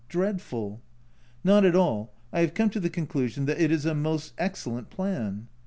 Dreadful ! Not at all I have come to the conclusion that it is a most excellent plan.